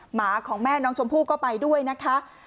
หมาของแม่น้องชมพู่ก็ไปด้วยนะคะ